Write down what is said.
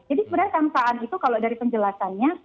jadi sebenarnya kang kaan itu kalau dari penjelasannya